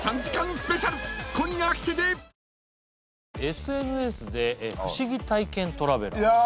ＳＮＳで不思議体験トラベラー。